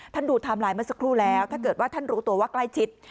ดูไทม์ไลน์เมื่อสักครู่แล้วถ้าเกิดว่าท่านรู้ตัวว่าใกล้ชิด